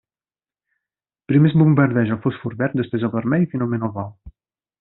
Primer es bombardeja el fòsfor verd, després el vermell i finalment el blau.